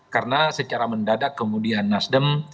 karena secara mendadak kemudian nasdem